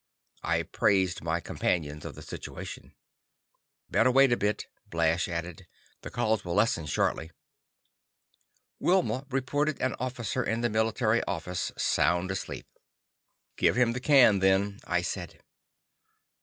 I apprised my companions of the situation. "Better wait a bit," Blash added. "The calls will lessen shortly." Wilma reported an officer in the military office sound asleep. "Give him the can, then," I said.